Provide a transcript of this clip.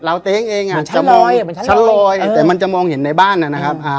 ลาวเต๊งเองอ่ะเหมือนชั้นลอยเหมือนชั้นลอยชั้นลอยเออแต่มันจะมองเห็นในบ้านอ่ะนะครับอ่า